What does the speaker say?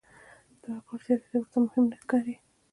د وګړو زیاتېدل ورته مهم نه ښکاري.